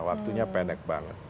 waktunya pendek banget